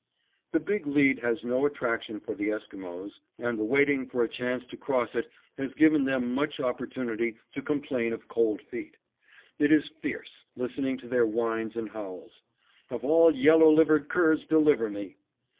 The Big Lead has no attraction for the Esquimos and the waiting for a chance to cross it has given them much opportunity to complain of cold feet. It is fierce, listening to their whines and howls. Of all yellow livered curs deliver me.